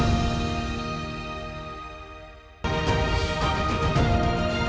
esta nature adalah batso apominio